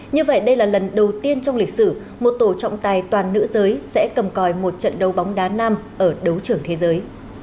như vậy đây là lần đầu tiên trong lịch sử một tổ trọng tài toàn nữ giới sẽ cầm còi một trận đấu bóng đá nam ở đấu trường thế giới